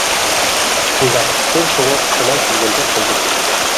شۇنداق بىر سوغۇق شامال كەلگەندەك قىلدى.